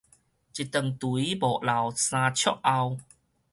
一丈槌無留三尺後